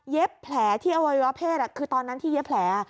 แผลที่อวัยวะเพศคือตอนนั้นที่เย็บแผล